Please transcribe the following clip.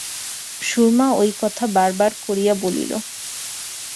সুরমা ওই কথা বার বার করিয়া বলিল।